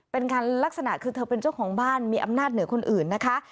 เป็นการลักษณะคือเธอเป็นเจ้าของบ้านมีอำนาจเหนือคนอื่นนะคะ